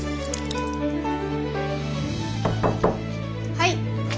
・はい。